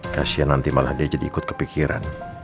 kasian nanti malah dia jadi ikut kepikiran